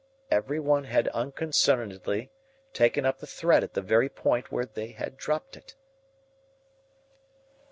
Everyone had unconcernedly taken up the thread at the very point where they had dropped it.